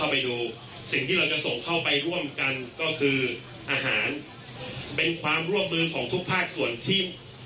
เป็นความร่วมมือของทุกภาคส่วนที่